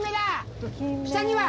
下には？